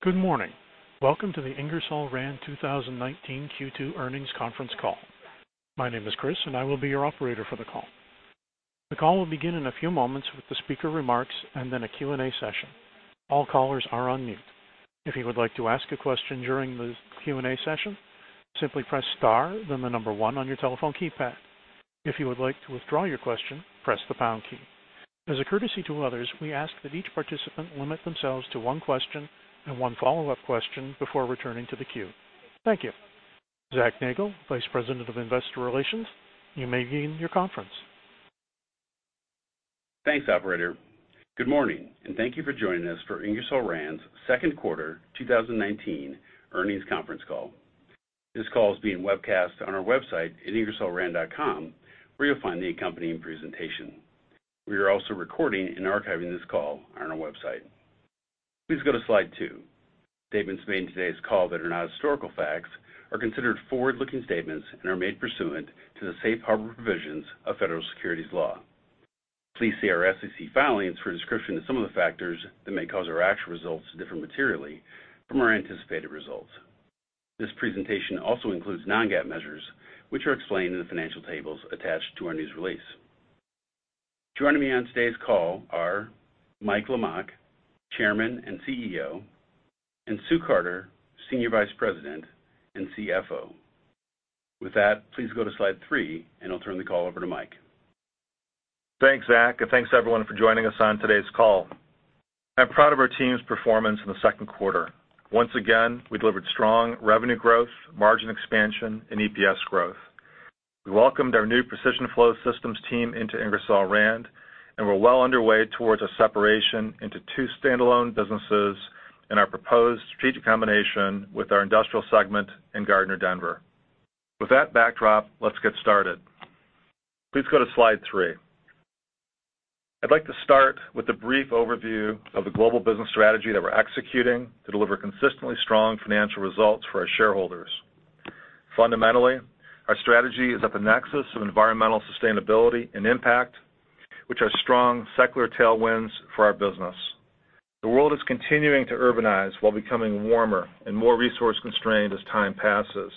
Good morning. Welcome to the Ingersoll Rand 2019 Q2 Earnings Conference Call. My name is Chris, and I will be your operator for the call. The call will begin in a few moments with the speaker remarks and then a Q&A session. All callers are on mute. If you would like to ask a question during the Q&A session, simply press star then the number one on your telephone keypad. If you would like to withdraw your question, press the pound key. As a courtesy to others, we ask that each participant limit themselves to one question and one follow-up question before returning to the queue. Thank you. Zac Nagle, Vice President of Investor Relations, you may begin your conference. Thanks, operator. Good morning, thank you for joining us for Ingersoll Rand's Second Quarter 2019 Earnings Conference Call. This call is being webcast on our website at ingersollrand.com, where you'll find the accompanying presentation. We are also recording and archiving this call on our website. Please go to slide two. Statements made in today's call that are not historical facts are considered forward-looking statements and are made pursuant to the safe harbor provisions of federal securities law. Please see our SEC filings for a description of some of the factors that may cause our actual results to differ materially from our anticipated results. This presentation also includes non-GAAP measures, which are explained in the financial tables attached to our news release. Joining me on today's call are Mike Lamach, Chairman and CEO, and Sue Carter, Senior Vice President and CFO. With that, please go to slide three, and I'll turn the call over to Mike. Thanks, Zac, thanks, everyone, for joining us on today's call. I'm proud of our team's performance in the second quarter. Once again, we delivered strong revenue growth, margin expansion, and EPS growth. We welcomed our new Precision Flow Systems team into Ingersoll Rand, and we're well underway towards a separation into two standalone businesses in our proposed strategic combination with our Industrial segment in Gardner Denver. With that backdrop, let's get started. Please go to slide three. I'd like to start with a brief overview of the global business strategy that we're executing to deliver consistently strong financial results for our shareholders. Fundamentally, our strategy is at the nexus of environmental sustainability and impact, which are strong secular tailwinds for our business. The world is continuing to urbanize while becoming warmer and more resource-constrained as time passes.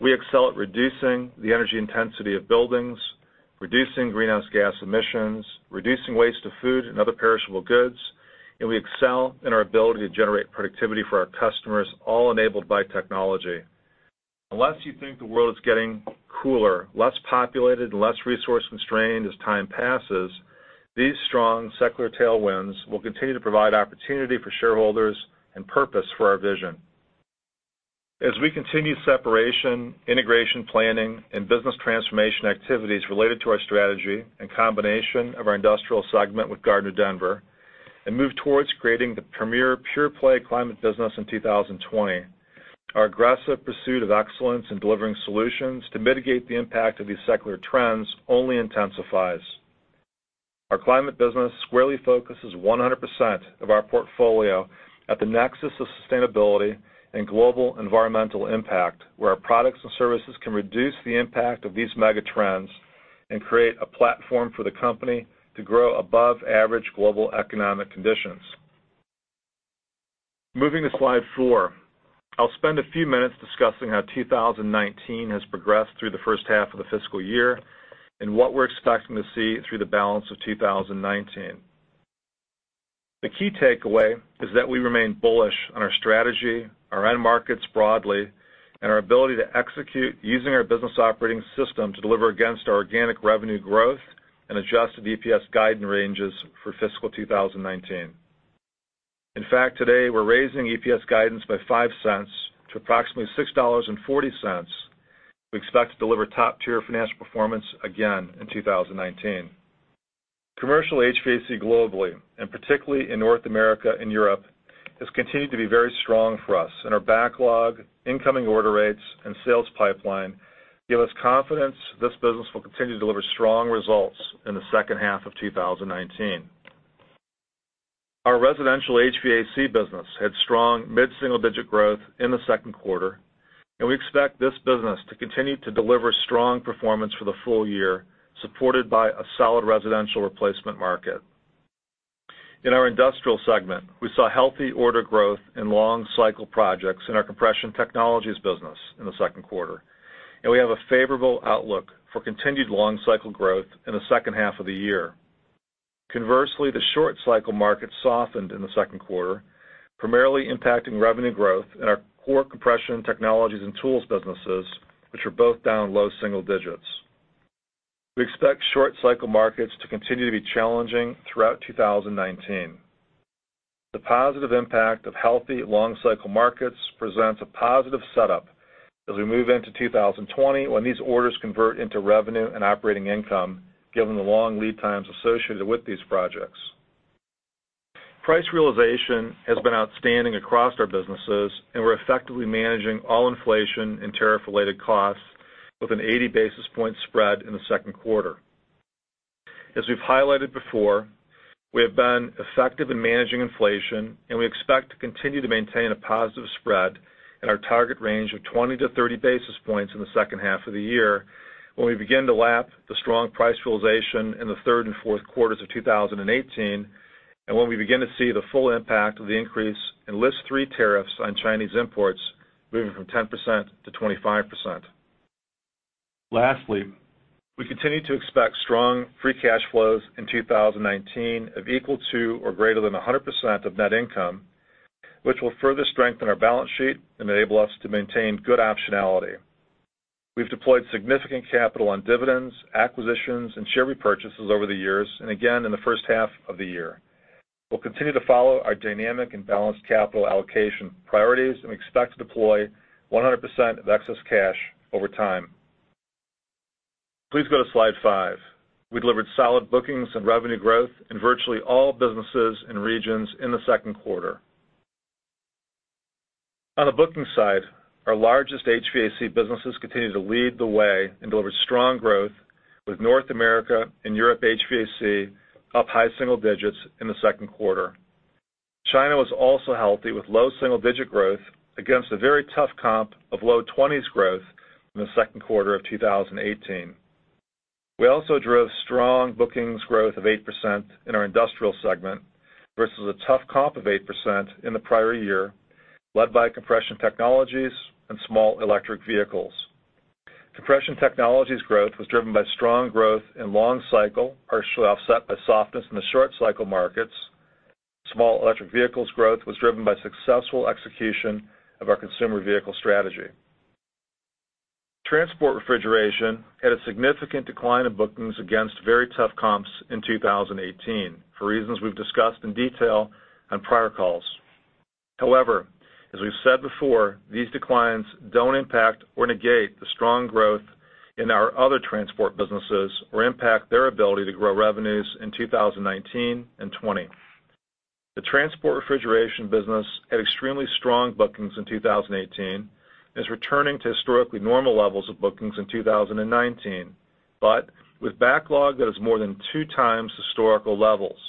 We excel at reducing the energy intensity of buildings, reducing greenhouse gas emissions, reducing waste of food and other perishable goods, and we excel in our ability to generate productivity for our customers, all enabled by technology. Unless you think the world is getting cooler, less populated, and less resource-constrained as time passes, these strong secular tailwinds will continue to provide opportunity for shareholders and purpose for our vision. As we continue separation, integration planning, and business transformation activities related to our strategy and combination of our Industrial segment with Gardner Denver, and move towards creating the premier pure-play Climate business in 2020. Our aggressive pursuit of excellence in delivering solutions to mitigate the impact of these secular trends only intensifies. Our Climate business squarely focuses 100% of our portfolio at the nexus of sustainability and global environmental impact, where our products and services can reduce the impact of these mega trends and create a platform for the company to grow above average global economic conditions. Moving to slide four. I'll spend a few minutes discussing how 2019 has progressed through the first half of the fiscal year and what we're expecting to see through the balance of 2019. The key takeaway is that we remain bullish on our strategy, our end markets broadly, and our ability to execute using our business operating system to deliver against our organic revenue growth and adjusted EPS guidance ranges for fiscal 2019. In fact, today we're raising EPS guidance by $0.05 to approximately $6.40. We expect to deliver top-tier financial performance again in 2019. Commercial HVAC globally, and particularly in North America and Europe, has continued to be very strong for us, and our backlog, incoming order rates, and sales pipeline give us confidence this business will continue to deliver strong results in the second half of 2019. Our Residential HVAC business had strong mid-single-digit growth in the second quarter, and we expect this business to continue to deliver strong performance for the full year, supported by a solid residential replacement market. In our Industrial segment, we saw healthy order growth in long cycle projects in our Compression Technologies business in the second quarter, and we have a favorable outlook for continued long cycle growth in the second half of the year. Conversely, the short cycle market softened in the second quarter, primarily impacting revenue growth in our core Compression Technologies and Tools businesses, which are both down low single digits. We expect short cycle markets to continue to be challenging throughout 2019. The positive impact of healthy long cycle markets presents a positive setup as we move into 2020 when these orders convert into revenue and operating income, given the long lead times associated with these projects. Price realization has been outstanding across our businesses, and we're effectively managing all inflation and tariff-related costs with an 80 basis point spread in the second quarter. As we've highlighted before, we have been effective in managing inflation, and we expect to continue to maintain a positive spread and our target range of 20-30 basis points in the second half of the year, when we begin to lap the strong price realization in the third and fourth quarters of 2018, and when we begin to see the full impact of the increase in List 3 tariffs on Chinese imports moving from 10%-25%. Lastly, we continue to expect strong free cash flows in 2019 of equal to or greater than 100% of net income, which will further strengthen our balance sheet and enable us to maintain good optionality. We've deployed significant capital on dividends, acquisitions, and share repurchases over the years, and again in the first half of the year. We'll continue to follow our dynamic and balanced capital allocation priorities, and we expect to deploy 100% of excess cash over time. Please go to slide five. We delivered solid bookings and revenue growth in virtually all businesses and regions in the second quarter. On the booking side, our largest HVAC businesses continue to lead the way and deliver strong growth with North America and Europe HVAC up high single digits in the second quarter. China was also healthy with low double-digit growth against a very tough comp of low 20s growth in the second quarter of 2018. We also drove strong bookings growth of 8% in our Industrial segment versus a tough comp of 8% in the prior year, led by Compression Technologies and Small Electric Vehicles. Compression Technologies growth was driven by strong growth in long cycle, partially offset by softness in the short cycle markets. Small Electric Vehicles growth was driven by successful execution of our consumer vehicle strategy. Transport refrigeration had a significant decline in bookings against very tough comps in 2018, for reasons we've discussed in detail on prior calls. As we've said before, these declines don't impact or negate the strong growth in our other transport businesses or impact their ability to grow revenues in 2019 and 2020. The transport refrigeration business had extremely strong bookings in 2018, and is returning to historically normal levels of bookings in 2019, but with backlog that is more than two times historical levels.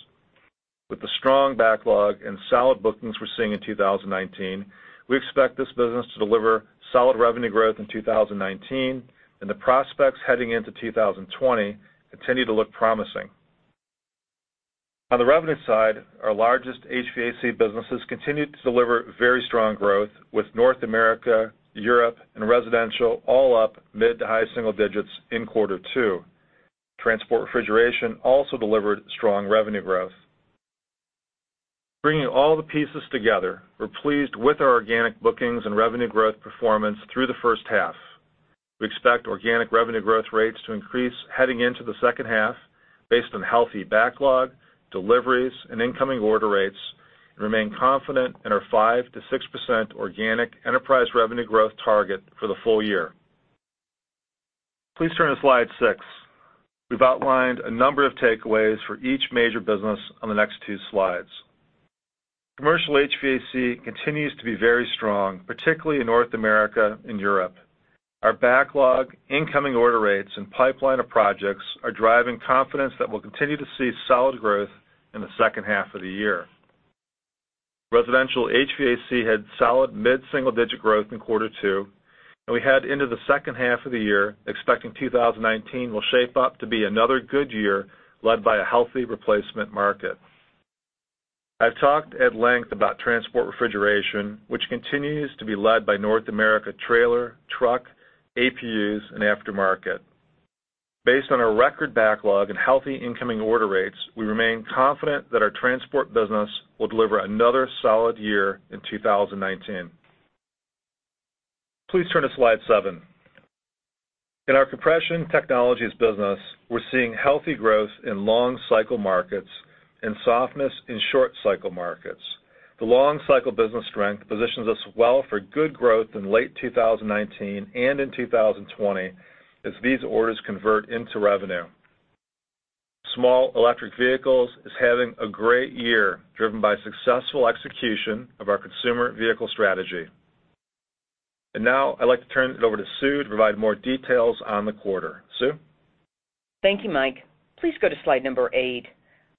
With the strong backlog and solid bookings we're seeing in 2019, we expect this business to deliver solid revenue growth in 2019, and the prospects heading into 2020 continue to look promising. On the revenue side, our largest HVAC businesses continued to deliver very strong growth with North America, Europe, and residential all up mid to high single digits in quarter two. Transport refrigeration also delivered strong revenue growth. Bringing all the pieces together, we're pleased with our organic bookings and revenue growth performance through the first half. We expect organic revenue growth rates to increase heading into the second half based on healthy backlog, deliveries, and incoming order rates, and remain confident in our 5%-6% organic enterprise revenue growth target for the full year. Please turn to slide six. We've outlined a number of takeaways for each major business on the next two slides. Commercial HVAC continues to be very strong, particularly in North America and Europe. Our backlog, incoming order rates, and pipeline of projects are driving confidence that we'll continue to see solid growth in the second half of the year. Residential HVAC had solid mid-single digit growth in quarter two, and we head into the second half of the year expecting 2019 will shape up to be another good year led by a healthy replacement market. I've talked at length about transport refrigeration, which continues to be led by North America trailer, truck, APUs, and aftermarket. Based on our record backlog and healthy incoming order rates, we remain confident that our transport business will deliver another solid year in 2019. Please turn to slide seven. In our Compression Technologies business, we're seeing healthy growth in long cycle markets and softness in short cycle markets. The long cycle business strength positions us well for good growth in late 2019 and in 2020 as these orders convert into revenue. Small Electric Vehicles is having a great year, driven by successful execution of our consumer vehicle strategy. Now I'd like to turn it over to Sue to provide more details on the quarter. Sue? Thank you, Mike. Please go to slide number eight.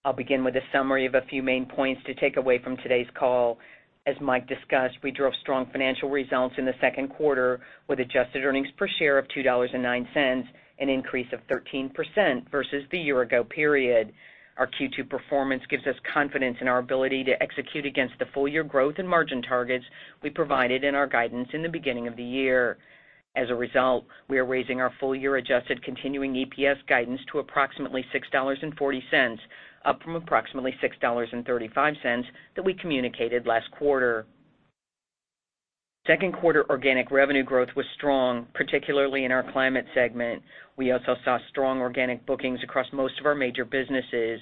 I'll begin with a summary of a few main points to take away from today's call. As Mike discussed, we drove strong financial results in the second quarter with adjusted earnings per share of $2.09, an increase of 13% versus the year ago period. Our Q2 performance gives us confidence in our ability to execute against the full-year growth and margin targets we provided in our guidance in the beginning of the year. As a result, we are raising our full-year adjusted continuing EPS guidance to approximately $6.40, up from approximately $6.35 that we communicated last quarter. Second quarter organic revenue growth was strong, particularly in our Climate segment. We also saw strong organic bookings across most of our major businesses.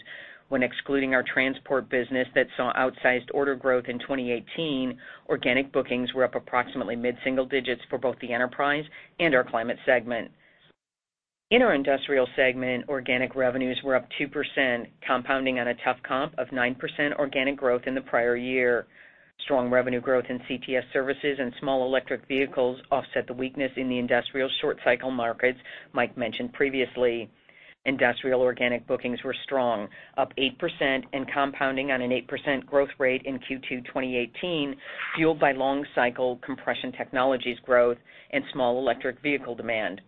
When excluding our transport business that saw outsized order growth in 2018, organic bookings were up approximately mid-single digits for both the enterprise and our Climate segment. In our Industrial segment, organic revenues were up 2%, compounding on a tough comp of 9% organic growth in the prior year. Strong revenue growth in CTS services and Small Electric Vehicles offset the weakness in the Industrial short cycle markets Mike mentioned previously. Industrial organic bookings were strong, up 8% and compounding on an 8% growth rate in Q2 2018, fueled by long-cycle Compression Technologies growth and Small Electric Vehicle demand.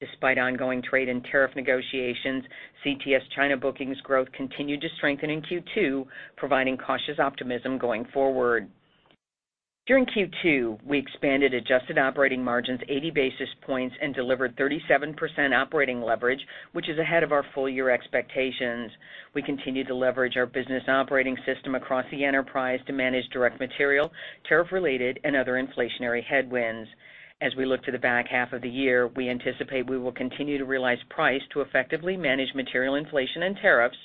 Despite ongoing trade and tariff negotiations, CTS China bookings growth continued to strengthen in Q2, providing cautious optimism going forward. During Q2, we expanded adjusted operating margins 80 basis points and delivered 37% operating leverage, which is ahead of our full year expectations. We continue to leverage our business operating system across the enterprise to manage direct material, tariff-related, and other inflationary headwinds. As we look to the back half of the year, we anticipate we will continue to realize price to effectively manage material inflation and tariffs,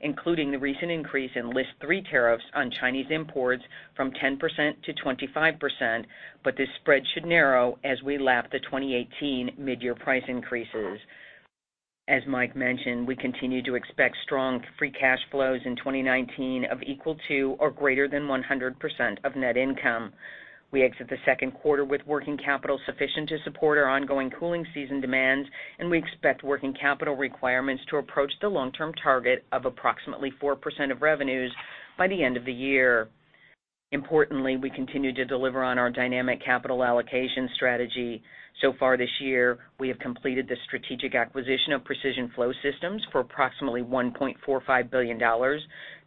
including the recent increase in List 3 tariffs on Chinese imports from 10% to 25%, but this spread should narrow as we lap the 2018 midyear price increases. As Mike mentioned, we continue to expect strong free cash flows in 2019 of equal to or greater than 100% of net income. We exit the second quarter with working capital sufficient to support our ongoing cooling season demands, and we expect working capital requirements to approach the long-term target of approximately 4% of revenues by the end of the year. Importantly, we continue to deliver on our dynamic capital allocation strategy. Far this year, we have completed the strategic acquisition of Precision Flow Systems for approximately $1.45 billion,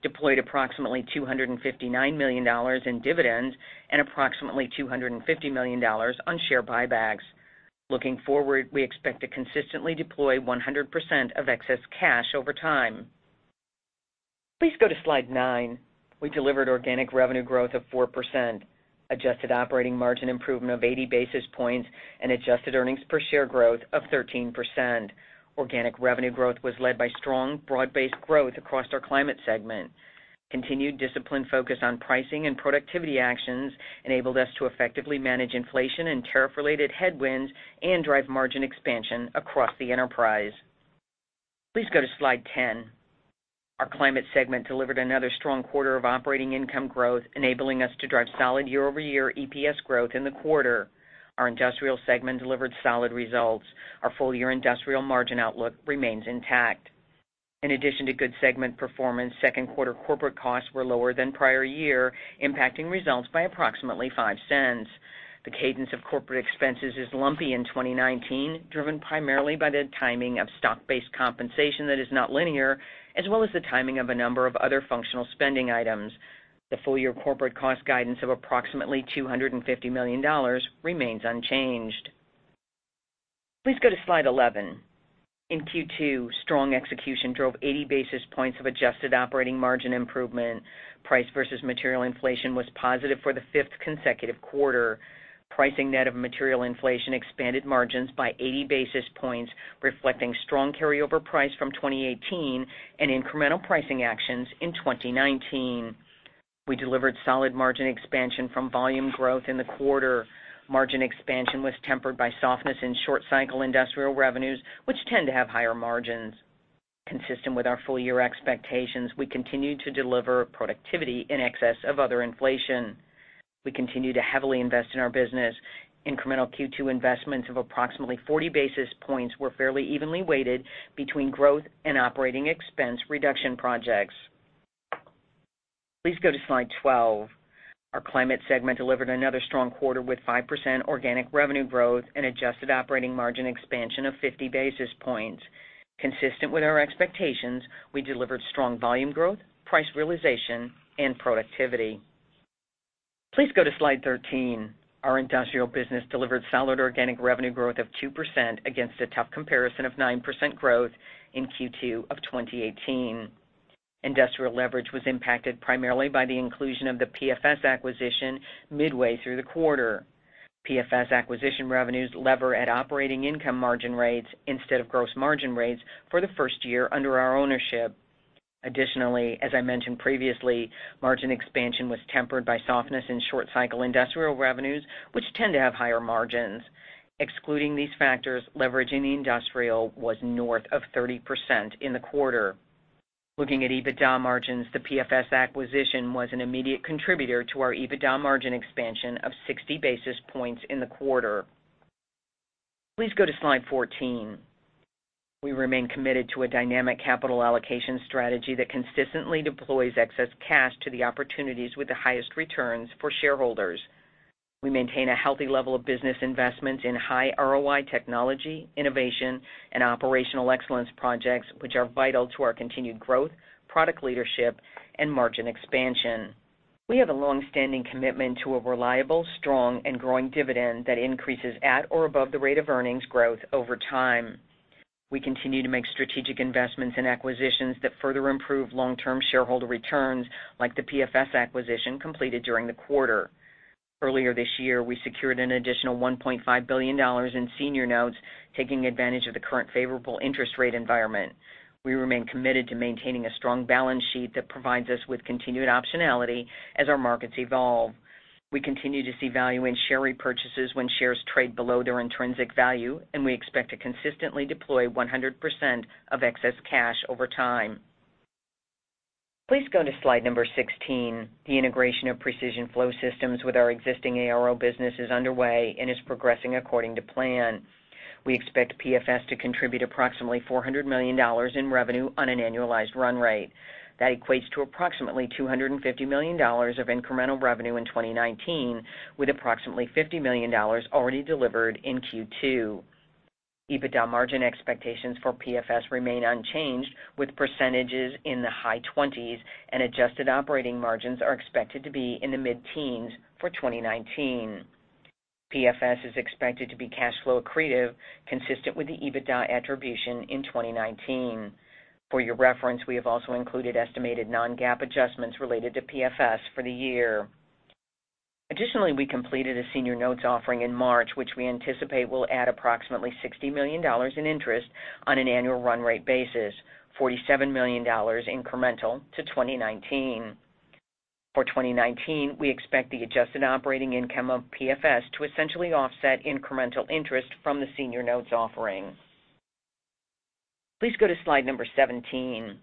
deployed approximately $259 million in dividends, and approximately $250 million on share buybacks. Looking forward, we expect to consistently deploy 100% of excess cash over time. Please go to slide nine. We delivered organic revenue growth of 4%, adjusted operating margin improvement of 80 basis points, and adjusted earnings per share growth of 13%. Organic revenue growth was led by strong, broad-based growth across our Climate segment. Continued disciplined focus on pricing and productivity actions enabled us to effectively manage inflation and tariff-related headwinds and drive margin expansion across the enterprise. Please go to slide 10. Our Climate segment delivered another strong quarter of operating income growth, enabling us to drive solid year-over-year EPS growth in the quarter. Our Industrial segment delivered solid results. Our full year industrial margin outlook remains intact. In addition to good segment performance, second quarter corporate costs were lower than prior year, impacting results by approximately $0.05. The cadence of corporate expenses is lumpy in 2019, driven primarily by the timing of stock-based compensation that is not linear, as well as the timing of a number of other functional spending items. The full-year corporate cost guidance of approximately $250 million remains unchanged. Please go to slide 11. In Q2, strong execution drove 80 basis points of adjusted operating margin improvement. Price versus material inflation was positive for the fifth consecutive quarter. Pricing net of material inflation expanded margins by 80 basis points, reflecting strong carryover price from 2018 and incremental pricing actions in 2019. We delivered solid margin expansion from volume growth in the quarter. Margin expansion was tempered by softness in short-cycle Industrial revenues, which tend to have higher margins. Consistent with our full-year expectations, we continue to deliver productivity in excess of other inflation. We continue to heavily invest in our business. Incremental Q2 investments of approximately 40 basis points were fairly evenly weighted between growth and operating expense reduction projects. Please go to slide 12. Our Climate segment delivered another strong quarter with 5% organic revenue growth and adjusted operating margin expansion of 50 basis points. Consistent with our expectations, we delivered strong volume growth, price realization, and productivity. Please go to slide 13. Our Industrial business delivered solid organic revenue growth of 2% against a tough comparison of 9% growth in Q2 of 2018. Industrial leverage was impacted primarily by the inclusion of the PFS acquisition midway through the quarter. PFS acquisition revenues lever at operating income margin rates instead of gross margin rates for the first year under our ownership. Additionally, as I mentioned previously, margin expansion was tempered by softness in short-cycle Industrial revenues, which tend to have higher margins. Excluding these factors, leverage in Industrial was north of 30% in the quarter. Looking at EBITDA margins, the PFS acquisition was an immediate contributor to our EBITDA margin expansion of 60 basis points in the quarter. Please go to slide 14. We remain committed to a dynamic capital allocation strategy that consistently deploys excess cash to the opportunities with the highest returns for shareholders. We maintain a healthy level of business investments in high ROI technology, innovation, and operational excellence projects, which are vital to our continued growth, product leadership, and margin expansion. We have a longstanding commitment to a reliable, strong, and growing dividend that increases at or above the rate of earnings growth over time. We continue to make strategic investments and acquisitions that further improve long-term shareholder returns, like the PFS acquisition completed during the quarter. Earlier this year, we secured an additional $1.5 billion in senior notes, taking advantage of the current favorable interest rate environment. We remain committed to maintaining a strong balance sheet that provides us with continued optionality as our markets evolve. We continue to see value in share repurchases when shares trade below their intrinsic value, and we expect to consistently deploy 100% of excess cash over time. Please go to slide number 16. The integration of Precision Flow Systems with our existing ARO business is underway and is progressing according to plan. We expect PFS to contribute approximately $400 million in revenue on an annualized run rate. That equates to approximately $250 million of incremental revenue in 2019, with approximately $50 million already delivered in Q2. EBITDA margin expectations for PFS remain unchanged, with percentages in the high 20s, and adjusted operating margins are expected to be in the mid-teens for 2019. PFS is expected to be cash flow accretive, consistent with the EBITDA attribution in 2019. For your reference, we have also included estimated non-GAAP adjustments related to PFS for the year. Additionally, we completed a senior notes offering in March, which we anticipate will add approximately $60 million in interest on an annual run-rate basis, $47 million incremental to 2019. For 2019, we expect the adjusted operating income of PFS to essentially offset incremental interest from the senior notes offering. Please go to slide number 17.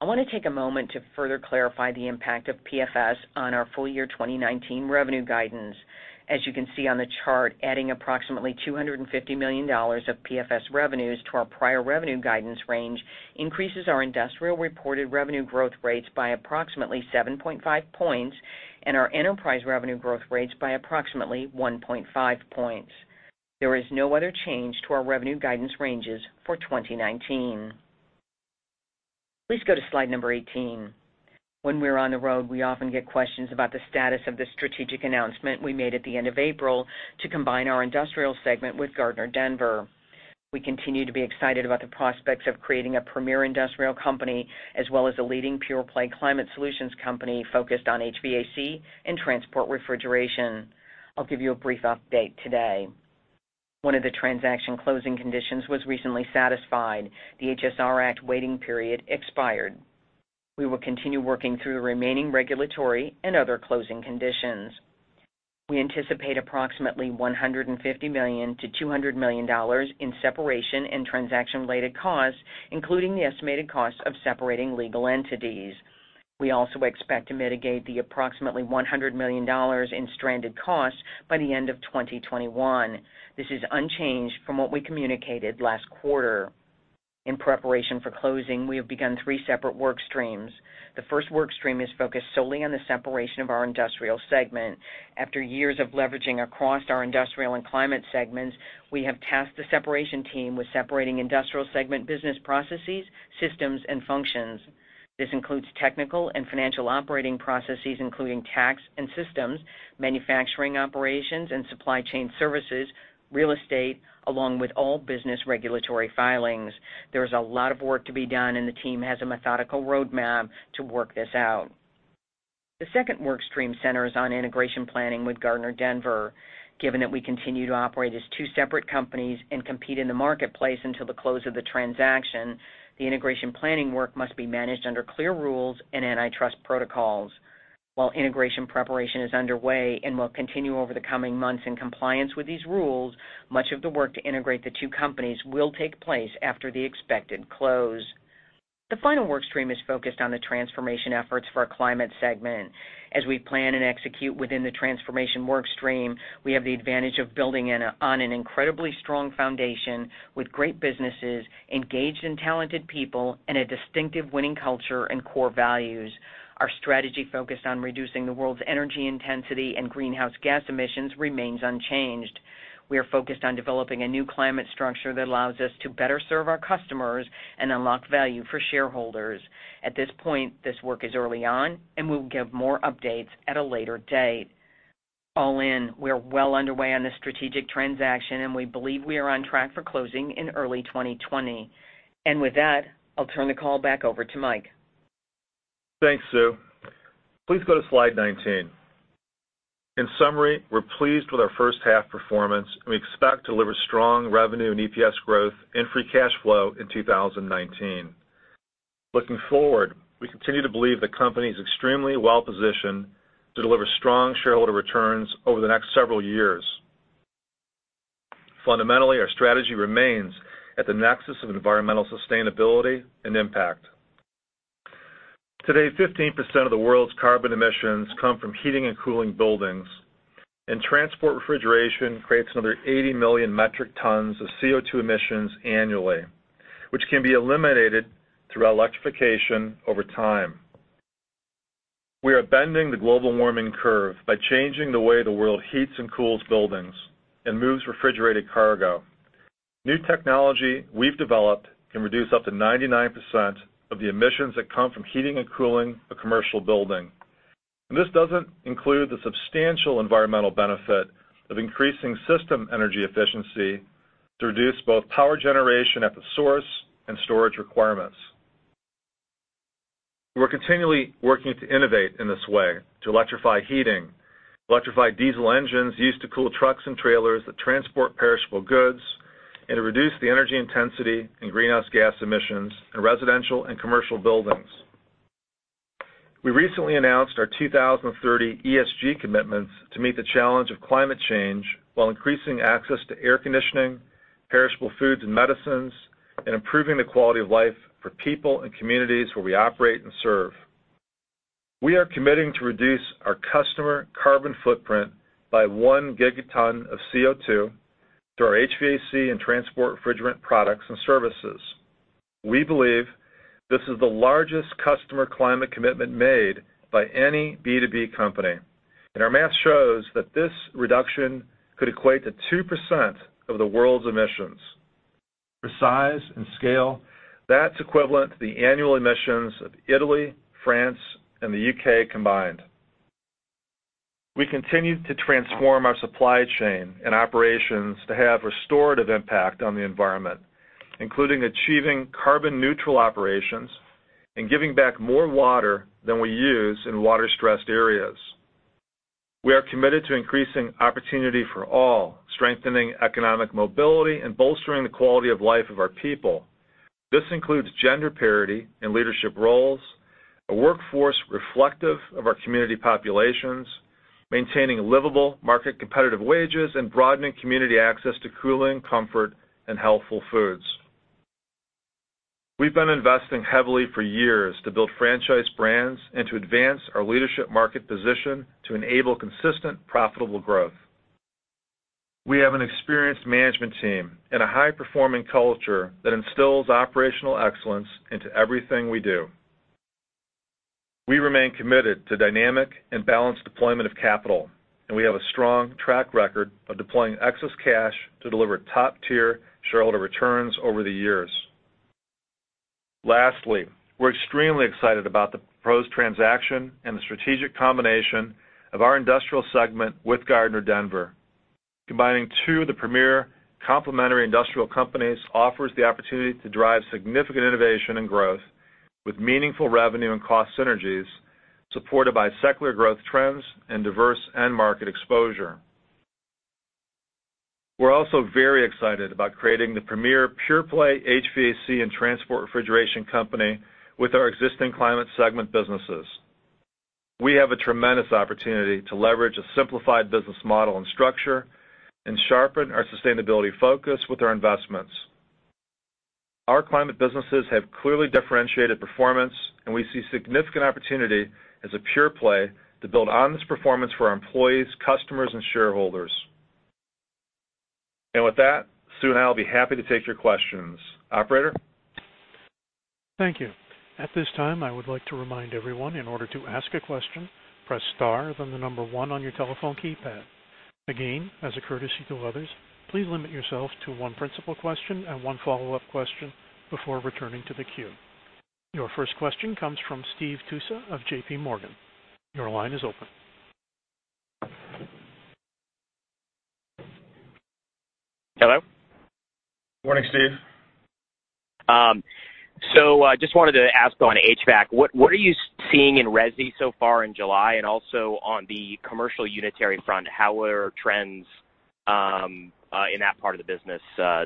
I want to take a moment to further clarify the impact of PFS on our full year 2019 revenue guidance. As you can see on the chart, adding approximately $250 million of PFS revenues to our prior revenue guidance range increases our Industrial reported revenue growth rates by approximately 7.5 points and our enterprise revenue growth rates by approximately 1.5 points. There is no other change to our revenue guidance ranges for 2019. Please go to slide number 18. When we're on the road, we often get questions about the status of the strategic announcement we made at the end of April to combine our Industrial segment with Gardner Denver. We continue to be excited about the prospects of creating a premier industrial company, as well as a leading pure-play climate solutions company focused on HVAC and transport refrigeration. I'll give you a brief update today. One of the transaction closing conditions was recently satisfied. The HSR Act waiting period expired. We will continue working through remaining regulatory and other closing conditions. We anticipate approximately $150 million-$200 million in separation and transaction-related costs, including the estimated cost of separating legal entities. We also expect to mitigate the approximately $100 million in stranded costs by the end of 2021. This is unchanged from what we communicated last quarter. In preparation for closing, we have begun three separate workstreams. The first workstream is focused solely on the separation of our Industrial segment. After years of leveraging across our Industrial and Climate segments, we have tasked the separation team with separating Industrial segment business processes, systems, and functions. This includes technical and financial operating processes, including tax and systems, manufacturing operations, and supply chain services, real estate, along with all business regulatory filings. There is a lot of work to be done, and the team has a methodical roadmap to work this out. The second workstream centers on integration planning with Gardner Denver. Given that we continue to operate as two separate companies and compete in the marketplace until the close of the transaction, the integration planning work must be managed under clear rules and antitrust protocols. While integration preparation is underway and will continue over the coming months in compliance with these rules, much of the work to integrate the two companies will take place after the expected close. The final workstream is focused on the transformation efforts for our Climate segment. As we plan and execute within the transformation workstream, we have the advantage of building on an incredibly strong foundation with great businesses, engaged and talented people, and a distinctive winning culture and core values. Our strategy focused on reducing the world's energy intensity and greenhouse gas emissions remains unchanged. We are focused on developing a new climate structure that allows us to better serve our customers and unlock value for shareholders. At this point, this work is early on, and we will give more updates at a later date. All in, we are well underway on this strategic transaction, and we believe we are on track for closing in early 2020. With that, I'll turn the call back over to Mike. Thanks, Sue. Please go to slide 19. In summary, we're pleased with our first half performance, and we expect to deliver strong revenue and EPS growth and free cash flow in 2019. Looking forward, we continue to believe the company is extremely well-positioned to deliver strong shareholder returns over the next several years. Fundamentally, our strategy remains at the nexus of environmental sustainability and impact. Today, 15% of the world's carbon emissions come from heating and cooling buildings, and transport refrigeration creates another 80 million metric tons of CO2 emissions annually, which can be eliminated through electrification over time. We are bending the global warming curve by changing the way the world heats and cools buildings and moves refrigerated cargo. New technology we've developed can reduce up to 99% of the emissions that come from heating and cooling a commercial building. This doesn't include the substantial environmental benefit of increasing system energy efficiency to reduce both power generation at the source and storage requirements. We're continually working to innovate in this way to electrify heating, electrify diesel engines used to cool trucks and trailers that transport perishable goods, and to reduce the energy intensity and greenhouse gas emissions in residential and commercial buildings. We recently announced our 2030 ESG commitments to meet the challenge of climate change while increasing access to air conditioning, perishable foods and medicines, and improving the quality of life for people and communities where we operate and serve. We are committing to reduce our customer carbon footprint by 1 Gt of CO2 through our HVAC and transport refrigeration products and services. We believe this is the largest customer climate commitment made by any B2B company, and our math shows that this reduction could equate to 2% of the world's emissions. For size and scale, that's equivalent to the annual emissions of Italy, France, and the U.K. combined. We continue to transform our supply chain and operations to have restorative impact on the environment, including achieving carbon neutral operations and giving back more water than we use in water-stressed areas. We are committed to increasing opportunity for all, strengthening economic mobility, and bolstering the quality of life of our people. This includes gender parity in leadership roles, a workforce reflective of our community populations, maintaining livable market competitive wages, and broadening community access to cooling, comfort, and healthful foods. We've been investing heavily for years to build franchise brands and to advance our leadership market position to enable consistent profitable growth. We have an experienced management team and a high-performing culture that instills operational excellence into everything we do. We remain committed to dynamic and balanced deployment of capital. We have a strong track record of deploying excess cash to deliver top-tier shareholder returns over the years. Lastly, we're extremely excited about the proposed transaction and the strategic combination of our Industrial segment with Gardner Denver. Combining two of the premier complementary industrial companies offers the opportunity to drive significant innovation and growth with meaningful revenue and cost synergies supported by secular growth trends and diverse end market exposure. We're also very excited about creating the premier pure-play HVAC and transport refrigeration company with our existing Climate segment businesses. We have a tremendous opportunity to leverage a simplified business model and structure and sharpen our sustainability focus with our investments. Our Climate businesses have clearly differentiated performance, and we see significant opportunity as a pure play to build on this performance for our employees, customers, and shareholders. With that, Sue and I will be happy to take your questions. Operator? Thank you. At this time, I would like to remind everyone, in order to ask a question, press star, then the number one on your telephone keypad. Again, as a courtesy to others, please limit yourself to one principal question and one follow-up question before returning to the queue. Your first question comes from Steve Tusa of JPMorgan. Your line is open. Hello? Morning, Steve. Just wanted to ask on HVAC, what are you seeing in resi so far in July? Also on the commercial unitary front, how are trends in that part of the business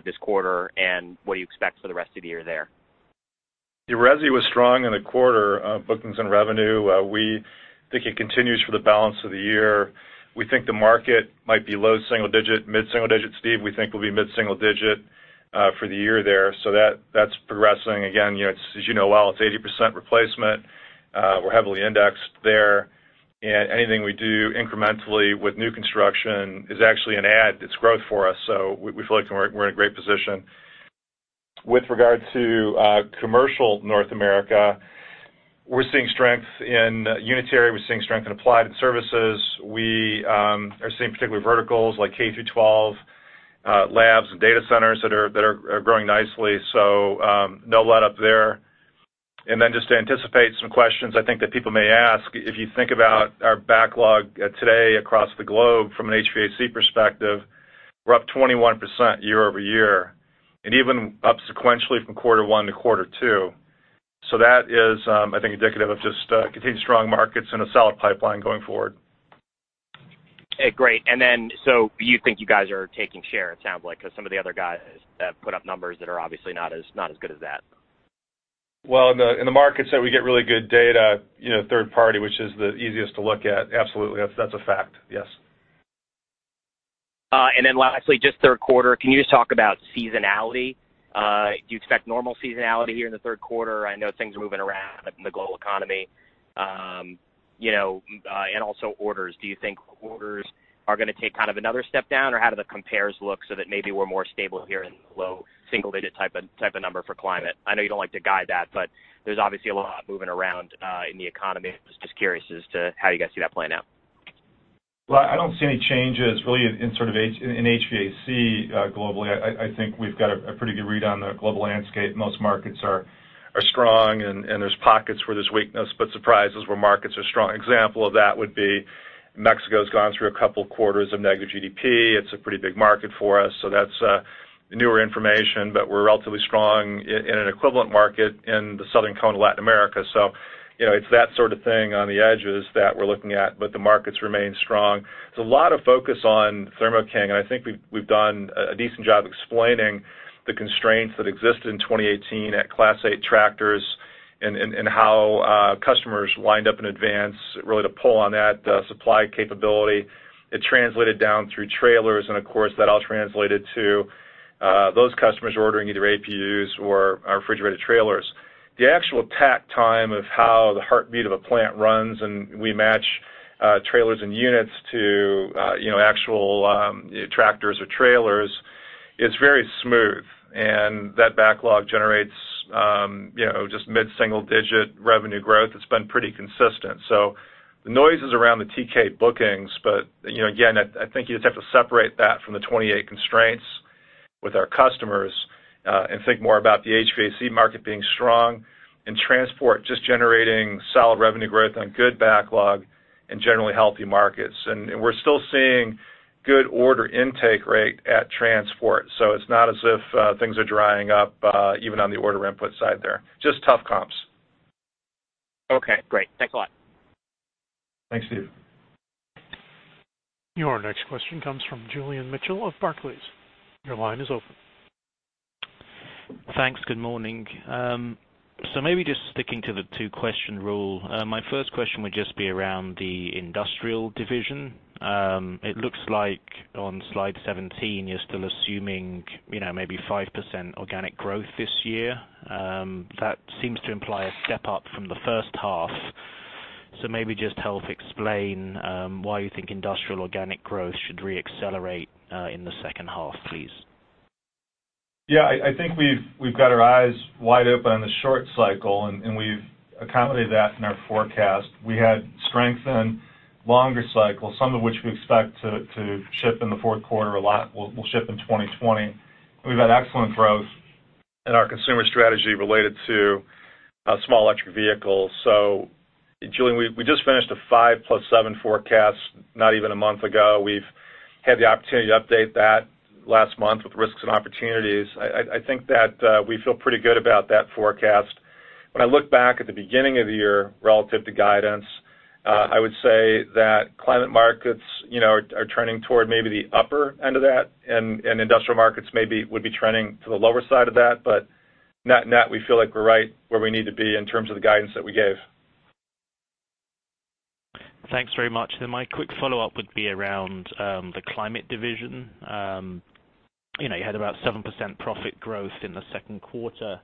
this quarter, and what do you expect for the rest of the year there? The resi was strong in the quarter, bookings and revenue. We think it continues for the balance of the year. We think the market might be low single digit, mid-single digit, Steve. We think we'll be mid-single digit for the year there. That's progressing again. As you know well, it's 80% replacement. We're heavily indexed there. Anything we do incrementally with new construction is actually an add. It's growth for us, so we feel like we're in a great position. With regard to commercial North America, we're seeing strength in unitary. We're seeing strength in applied services. We are seeing particular verticals like K-12, labs, and data centers that are growing nicely. No letup there. Just to anticipate some questions I think that people may ask, if you think about our backlog today across the globe from an HVAC perspective, we're up 21% year-over-year, and even up sequentially from quarter one to quarter two. That is, I think, indicative of just continued strong markets and a solid pipeline going forward. Okay, great. You think you guys are taking share, it sounds like, because some of the other guys have put up numbers that are obviously not as good as that. Well, in the markets that we get really good data, third party, which is the easiest to look at, absolutely. That's a fact. Yes. Lastly, just third quarter, can you just talk about seasonality? Do you expect normal seasonality here in the third quarter? I know things are moving around in the global economy. Also orders. Do you think orders are going to take kind of another step down, or how do the compares look so that maybe we're more stable here in the low single-digit type of number for Climate? I know you don't like to guide that, but there's obviously a lot moving around in the economy. I was just curious as to how you guys see that playing out. Well, I don't see any changes really in sort of HVAC globally. I think we've got a pretty good read on the global landscape. Most markets are strong, and there's pockets where there's weakness, but surprises where markets are strong. Example of that would be Mexico has gone through a couple quarters of negative GDP. It's a pretty big market for us, so that's newer information. We're relatively strong in an equivalent market in the Southern Cone of Latin America. It's that sort of thing on the edges that we're looking at, but the markets remain strong. There's a lot of focus on Thermo King. I think we've done a decent job explaining the constraints that existed in 2018 at Class 8 tractors and how customers lined up in advance, really to pull on that supply capability. It translated down through trailers. Of course, that all translated to those customers ordering either APUs or our refrigerated trailers. The actual pack time of how the heartbeat of a plant runs, and we match trailers and units to actual tractors or trailers, is very smooth, and that backlog generates just mid-single-digit revenue growth. It's been pretty consistent. The noise is around the TK bookings, but again, I think you just have to separate that from the 28 constraints with our customers. Think more about the HVAC market being strong and transport just generating solid revenue growth on good backlog in generally healthy markets. We're still seeing good order intake rate at transport. It's not as if things are drying up, even on the order input side there. It's just tough comps. Okay, great. Thanks a lot. Thanks, Steve. Your next question comes from Julian Mitchell of Barclays. Your line is open. Thanks. Good morning. Maybe just sticking to the two-question rule. My first question would just be around the Industrial division. It looks like on slide 17, you're still assuming maybe 5% organic growth this year. That seems to imply a step up from the first half. Maybe just help explain why you think Industrial organic growth should re-accelerate in the second half, please. I think we've got our eyes wide open on the short cycle, and we've accommodated that in our forecast. We had strength in longer cycles, some of which we expect to ship in the fourth quarter, a lot will ship in 2020. We've had excellent growth in our consumer strategy related to Small Electric Vehicles. Julian, we just finished a 5+7 forecast not even a month ago. We've had the opportunity to update that last month with risks and opportunities. I think that we feel pretty good about that forecast. When I look back at the beginning of the year relative to guidance, I would say that Climate markets are trending toward maybe the upper end of that, and Industrial markets maybe would be trending to the lower side of that. Net, we feel like we're right where we need to be in terms of the guidance that we gave. Thanks very much. My quick follow-up would be around the Climate division. You had about 7% profit growth in the second quarter.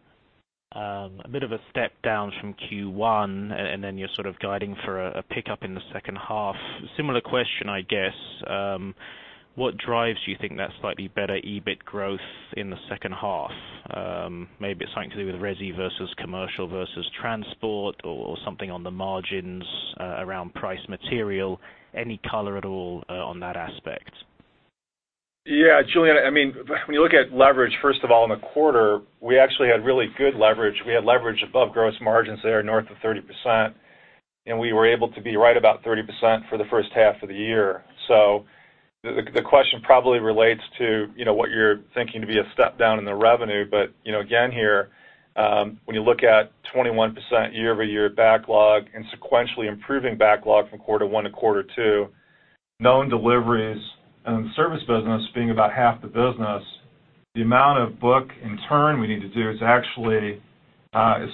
A bit of a step down from Q1, you're sort of guiding for a pickup in the second half. Similar question, I guess. What drives you think that slightly better EBIT growth in the second half? Maybe it's something to do with resi versus commercial versus transport or something on the margins around price material. Any color at all on that aspect? Yeah, Julian, when you look at leverage, first of all, in the quarter, we actually had really good leverage. We had leverage above gross margins there, north of 30%, and we were able to be right about 30% for the first half of the year. The question probably relates to what you're thinking to be a step down in the revenue. Again here, when you look at 21% year-over-year backlog and sequentially improving backlog from quarter one to quarter two, known deliveries and the service business being about half the business, the amount of book in turn we need to do is actually as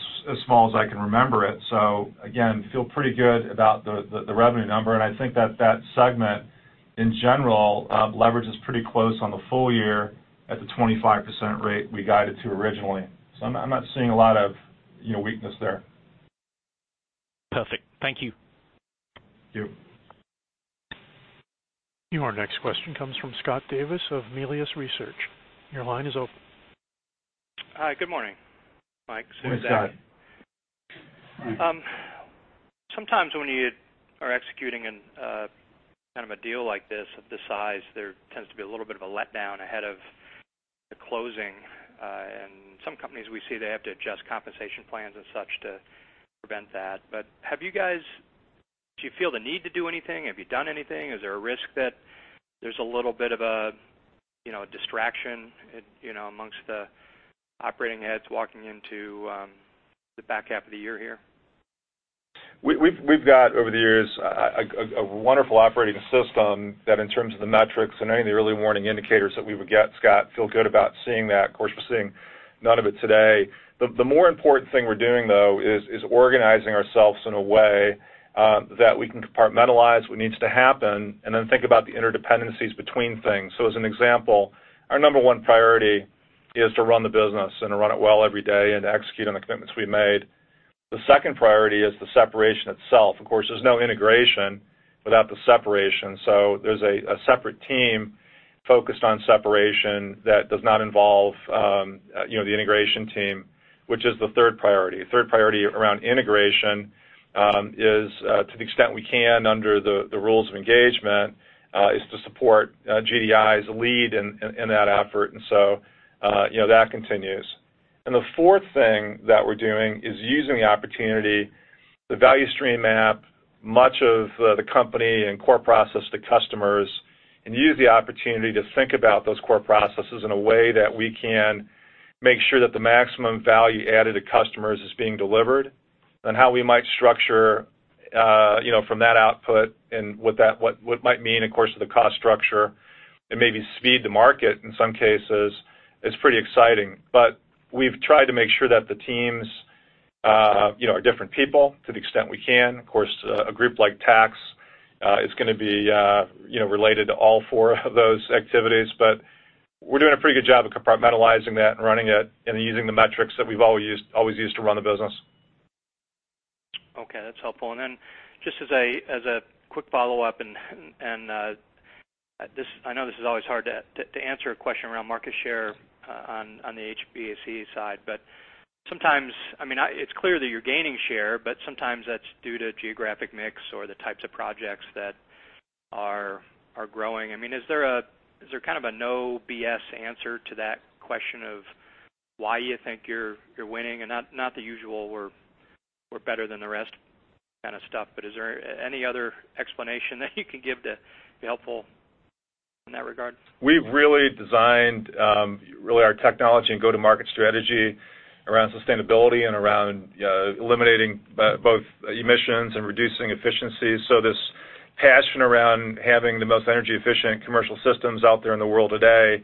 small as I can remember it. Again, feel pretty good about the revenue number, and I think that that segment in general, leverage is pretty close on the full year at the 25% rate we guided to originally. I'm not seeing a lot of weakness there. Perfect. Thank you. Thank you. Your next question comes from Scott Davis of Melius Research. Your line is open. Hi, good morning, Mike. Scott. Morning. Sometimes when you are executing kind of a deal like this of this size, there tends to be a little bit of a letdown ahead of the closing. Some companies we see they have to adjust compensation plans and such to prevent that. Have you guys, do you feel the need to do anything? Have you done anything? Is there a risk that there's a little bit of a distraction amongst the operating heads walking into the back half of the year here? We've got over the years, a wonderful operating system that in terms of the metrics and any of the early warning indicators that we would get, Scott, feel good about seeing that. Of course, we're seeing none of it today. The more important thing we're doing, though, is organizing ourselves in a way that we can compartmentalize what needs to happen and then think about the interdependencies between things. As an example, our number one priority is to run the business and to run it well every day and execute on the commitments we've made. The second priority is the separation itself. Of course, there's no integration without the separation. There's a separate team focused on separation that does not involve the integration team, which is the third priority. Third priority around integration is to the extent we can under the rules of engagement, is to support GDI's lead in that effort. That continues. The fourth thing that we're doing is using the opportunity, the value stream map, much of the company and core process to customers, and use the opportunity to think about those core processes in a way that we can make sure that the maximum value added to customers is being delivered and how we might structure, from that output and what might mean, of course, to the cost structure. Maybe speed to market in some cases is pretty exciting. We've tried to make sure that the teams are different people to the extent we can. Of course, a group like tax, is going to be related to all four of those activities. We're doing a pretty good job of compartmentalizing that and running it and using the metrics that we've always used to run the business. Okay, that's helpful. Just as a quick follow-up, I know this is always hard to answer a question around market share on the HVAC side, but sometimes, it's clear that you're gaining share, but sometimes that's due to geographic mix or the types of projects that are growing. Is there a no BS answer to that question of why you think you're winning and not the usual, we're better than the rest kind of stuff? Is there any other explanation that you can give that would be helpful in that regard? We've really designed our technology and go-to-market strategy around sustainability and around eliminating both emissions and reducing efficiencies. This passion around having the most energy efficient commercial systems out there in the world today,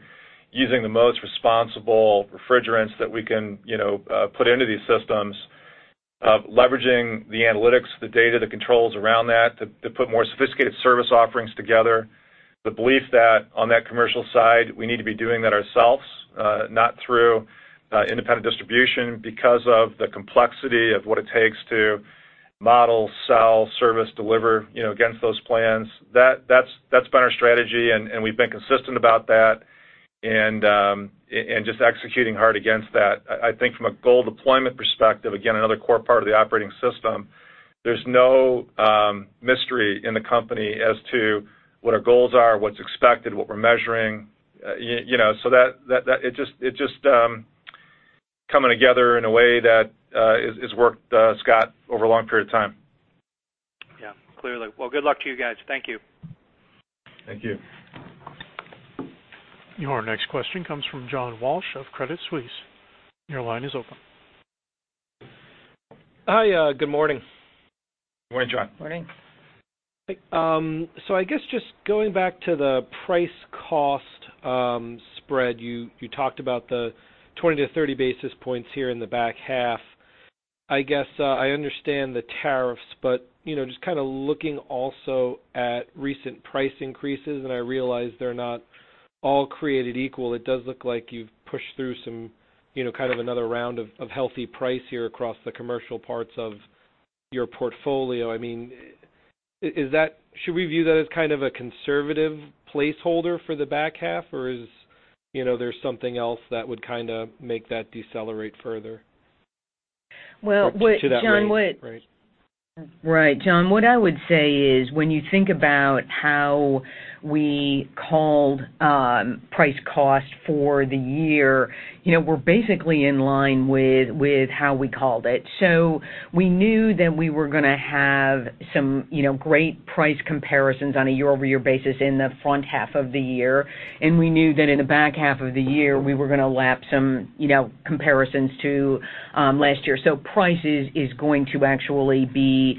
using the most responsible refrigerants that we can put into these systems, leveraging the analytics, the data, the controls around that to put more sophisticated service offerings together. The belief that on that commercial side, we need to be doing that ourselves, not through independent distribution because of the complexity of what it takes to model, sell, service, deliver against those plans. That's been our strategy, and we've been consistent about that and just executing hard against that. I think from a goal deployment perspective, again, another core part of the operating system, there's no mystery in the company as to what our goals are, what's expected, what we're measuring. It's just coming together in a way that has worked, Scott, over a long period of time. Yeah, clearly. Good luck to you guys. Thank you. Thank you. Your next question comes from John Walsh of Credit Suisse. Your line is open. Hi, good morning. Good morning, John. Morning. I guess just going back to the price-cost spread, you talked about the 20-30 basis points here in the back half. I guess I understand the tariffs, but just kind of looking also at recent price increases, and I realize they're not all created equal. It does look like you've pushed through some kind of another round of healthy price here across the commercial parts of your portfolio. Should we view that as kind of a conservative placeholder for the back half, or is there something else that would kind of make that decelerate further to that rate? Right, John, what I would say is when you think about how we called price cost for the year, we're basically in line with how we called it. We knew that we were going to have some great price comparisons on a year-over-year basis in the front half of the year. We knew that in the back half of the year, we were going to lap some comparisons to last year. Prices is going to actually be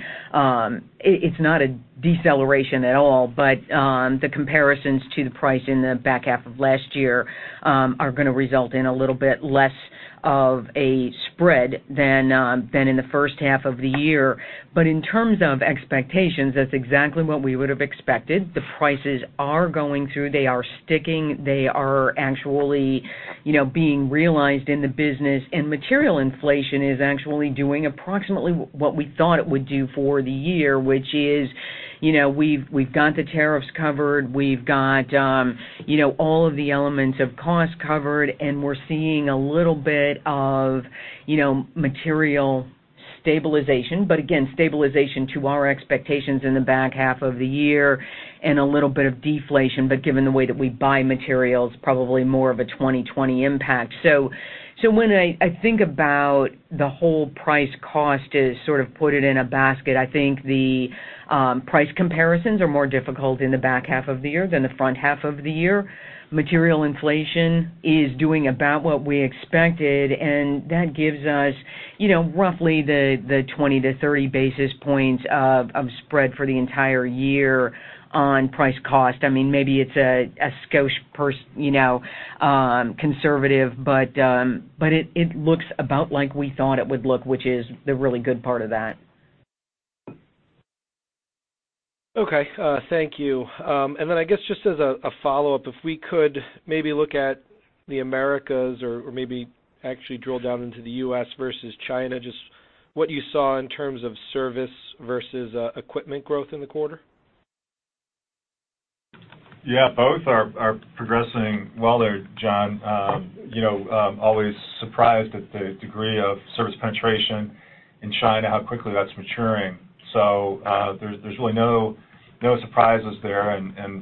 it's not a deceleration at all, but the comparisons to the price in the back half of last year are going to result in a little bit less of a spread than in the first half of the year. In terms of expectations, that's exactly what we would have expected. The prices are going through. They are sticking. They are actually being realized in the business. Material inflation is actually doing approximately what we thought it would do for the year, which is we've got the tariffs covered. We've got all of the elements of cost covered. We're seeing a little bit of material stabilization. Again, stabilization to our expectations in the back half of the year. A little bit of deflation, given the way that we buy materials, probably more of a 2020 impact. When I think about the whole price cost is sort of put it in a basket, I think the price comparisons are more difficult in the back half of the year than the front half of the year. Material inflation is doing about what we expected. That gives us roughly the 20-30 basis points of spread for the entire year on price cost. Maybe it's a skosh conservative, but it looks about like we thought it would look, which is the really good part of that. Okay, thank you. Then I guess just as a follow-up, if we could maybe look at the Americas or maybe actually drill down into the U.S. versus China, just what you saw in terms of service versus equipment growth in the quarter. Yeah, both are progressing well there, John. Always surprised at the degree of service penetration in China, how quickly that's maturing. There's really no surprises there.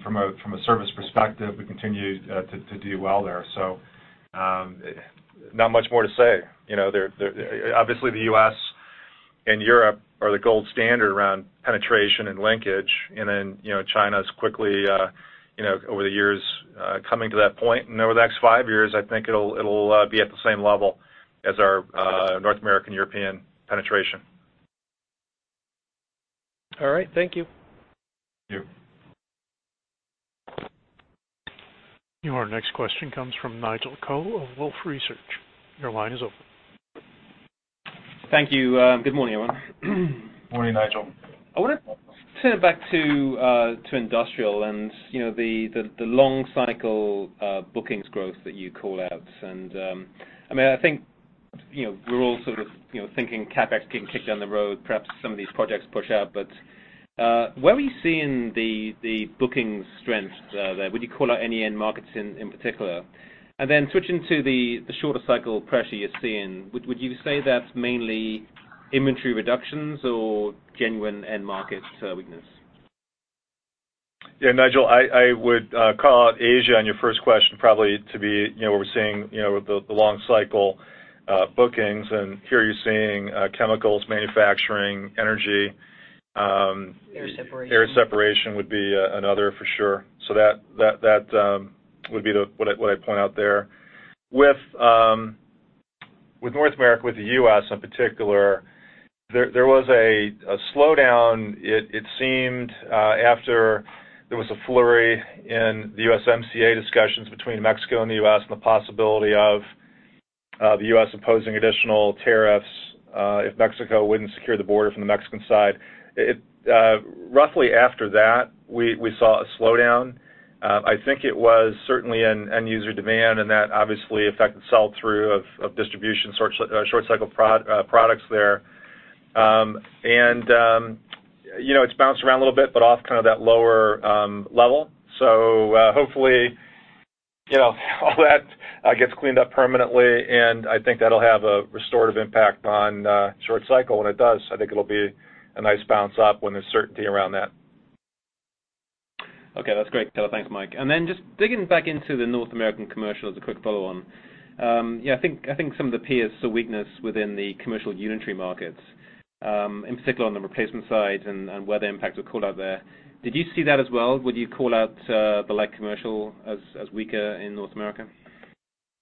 From a service perspective, we continue to do well there. Not much more to say. Obviously, the U.S. and Europe are the gold standard around penetration and linkage. China's quickly, over the years, coming to that point. Over the next five years, I think it'll be at the same level as our North American, European penetration. All right. Thank you. Thank you. Your next question comes from Nigel Coe of Wolfe Research. Your line is open. Thank you. Good morning, everyone. Morning, Nigel. I want to turn it back to Industrial and the long cycle bookings growth that you call out. I think we're all sort of thinking CapEx getting kicked down the road, perhaps some of these projects push out. Where are we seeing the bookings strength there? Would you call out any end markets in particular? Switching to the shorter cycle pressure you're seeing, would you say that's mainly inventory reductions or genuine end market weakness? Yeah, Nigel, I would call out Asia on your first question probably to be where we're seeing the long cycle bookings, and here you're seeing chemicals, manufacturing, energy. Air separation. Air separation would be another for sure. That would be what I'd point out there. With North America, with the U.S. in particular, there was a slowdown, it seemed, after there was a flurry in the USMCA discussions between Mexico and the U.S. and the possibility of the U.S. imposing additional tariffs if Mexico wouldn't secure the border from the Mexican side. Roughly after that, we saw a slowdown. I think it was certainly an end-user demand, and that obviously affected sell-through of distribution short cycle products there. It's bounced around a little bit, but off kind of that lower level. Hopefully, all that gets cleaned up permanently, and I think that'll have a restorative impact on short cycle. When it does, I think it'll be a nice bounce up when there's certainty around that. Okay. That's great. Thanks, Mike. Just digging back into the North American commercial as a quick follow-on. Yeah, I think some of the peers saw weakness within the commercial unitary markets, in particular on the replacement side and where the impacts were called out there. Did you see that as well? Would you call out the light commercial as weaker in North America?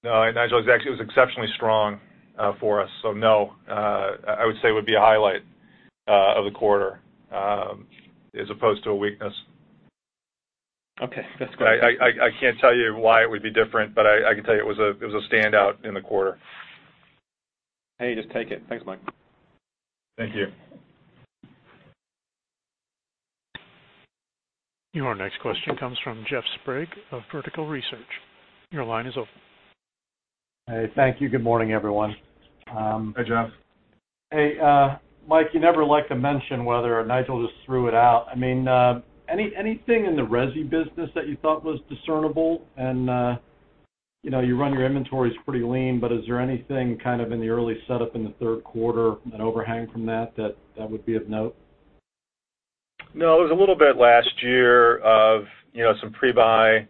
No, Nigel. Actually, it was exceptionally strong for us. No. I would say it would be a highlight of the quarter, as opposed to a weakness. Okay. That's great. I can't tell you why it would be different, but I can tell you it was a standout in the quarter. Hey, just take it. Thanks, Mike. Thank you. Your next question comes from Jeff Sprague of Vertical Research. Your line is open. Hey, thank you. Good morning, everyone. Hi, Jeff. Hey, Mike, you never like to mention whether Nigel just threw it out. Anything in the resi business that you thought was discernible? You run your inventories pretty lean, but is there anything kind of in the early setup in the third quarter, an overhang from that would be of note? No, it was a little bit last year of some pre-buy,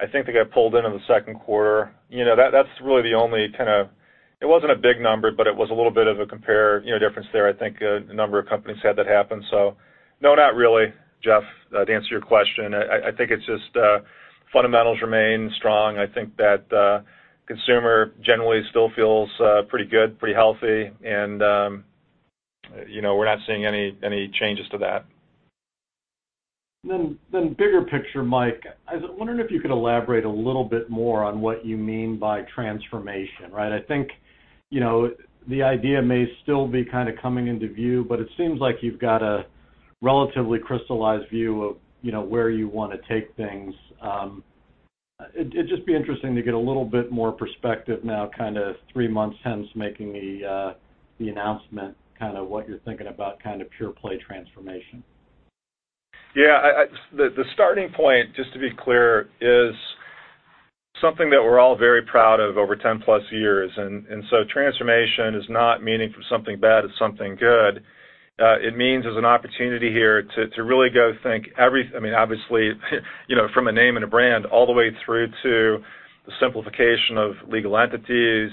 I think that got pulled into the second quarter. It wasn't a big number, but it was a little bit of a compare difference there. I think a number of companies had that happen. No, not really, Jeff, to answer your question. I think it's just fundamentals remain strong. I think that consumer generally still feels pretty good, pretty healthy, and we're not seeing any changes to that. Bigger picture, Mike, I was wondering if you could elaborate a little bit more on what you mean by transformation, right? I think the idea may still be kind of coming into view, but it seems like you've got a relatively crystallized view of where you want to take things. It'd just be interesting to get a little bit more perspective now, kind of three months hence making the announcement, kind of what you're thinking about kind of pure play transformation. Yeah. The starting point, just to be clear, is something that we're all very proud of over 10+ years. Transformation is not meaning for something bad, it's something good. It means there's an opportunity here to really go think. Obviously, from a name and a brand, all the way through to the simplification of legal entities,